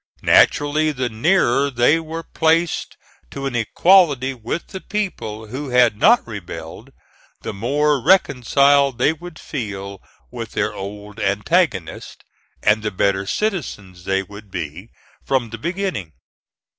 Naturally the nearer they were placed to an equality with the people who had not rebelled, the more reconciled they would feel with their old antagonists, and the better citizens they would be from the beginning.